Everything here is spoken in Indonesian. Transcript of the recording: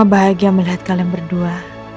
bahagia melihat kalian berdua